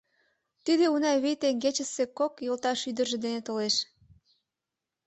Тиде Унавий теҥгечысе кок йолташ ӱдыржӧ дене толеш.